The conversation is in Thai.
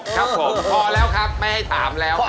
ครับผมพอแล้วครับไม่ให้ถามแล้ว